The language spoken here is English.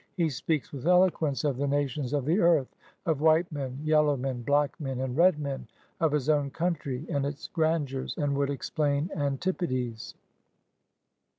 He speaks with eloquence of the nations of the earth, of white men, yellow men, black men, and red men, of his own country and its grandeurs, and would explain antipodes.